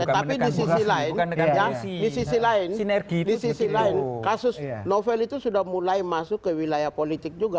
tapi di sisi lain kasus novel itu sudah mulai masuk ke wilayah politik juga